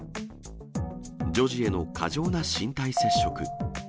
女児への過剰な身体接触。